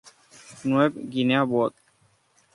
New Guinea; Bot.